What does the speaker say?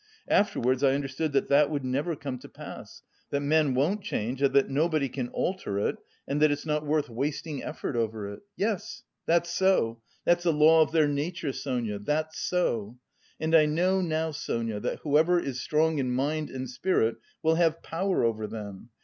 Afterwards I understood that that would never come to pass, that men won't change and that nobody can alter it and that it's not worth wasting effort over it. Yes, that's so. That's the law of their nature, Sonia,... that's so!... And I know now, Sonia, that whoever is strong in mind and spirit will have power over them.